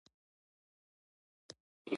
وه يې وژل، وه يې رټل او د سپکاوي هڅې يې شروع کړې.